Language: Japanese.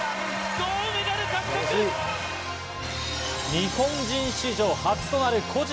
日本人史上初となる個人